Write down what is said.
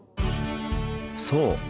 そう！